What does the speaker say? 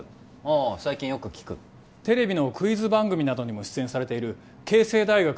ああ最近よく聞くテレビのクイズ番組などにも出演されている慶成大学